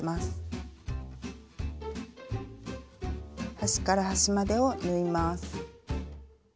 端から端までを縫います。